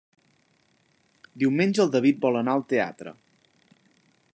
Diumenge en David vol anar al teatre.